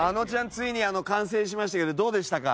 ついに完成しましたけどどうでしたか？